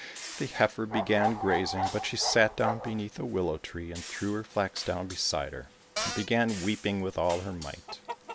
The heifer began graz ing, but she sat down beneath a willow tree, and threw her flax down beside her, and began weeping with all her might.